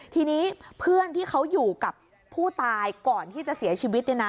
ทีนี้เพื่อนที่เขาอยู่กับผู้ตายก่อนที่จะเสียชีวิต